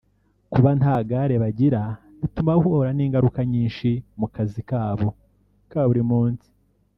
kuba nta Gare bagira bituma bahura n’ingaruka nyinshi mu kazi kabo ka buri munsi